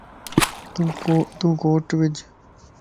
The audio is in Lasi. تون ڪوٽ وج